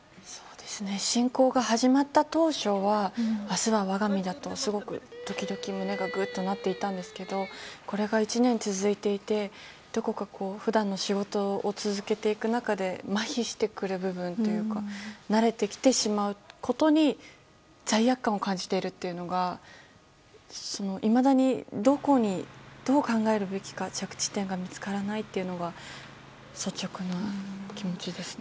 侵攻が始まった当初は明日は我が身だとすごく時々胸がぐっとなっていたんですけどこれが１年続いていて、どこか普段の仕事を続けていく中でまひしてくる部分というか慣れてきてしまうことに罪悪感を感じているというのがいまだに、どこにどう考えるべきか着地点が見つからないというのが率直な気持ちですね。